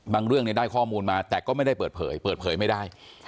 เรื่องได้ข้อมูลมาแต่ก็ไม่ได้เปิดเผยเปิดเผยไม่ได้